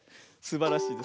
すばらしい。